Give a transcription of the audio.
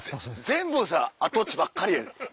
全部さ跡地ばっかりやん。